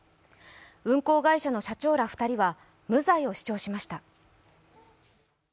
運行会社の社長ら２人は無罪を主張しました。